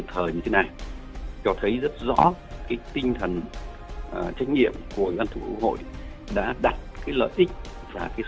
tại phiên họp ủy ban thường vụ quốc hội đã nhất trí với việc